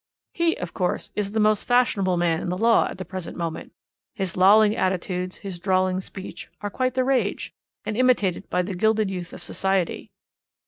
He, of course, is the most fashionable man in the law at the present moment. His lolling attitudes, his drawling speech, are quite the rage, and imitated by the gilded youth of society.